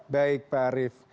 baik pak arief